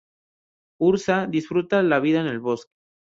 Ursa disfruta la vida en el bosque.